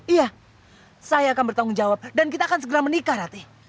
iya saya akan bertanggung jawab dan kita akan segera menikah ratih